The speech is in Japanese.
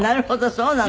そうなの？